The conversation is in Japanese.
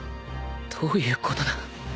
どういうことだ？